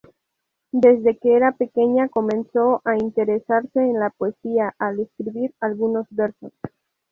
Desde que era pequeña comenzó a interesarse en la poesía al escribir algunos versos.